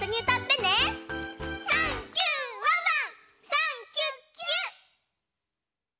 サンキュッキュッ！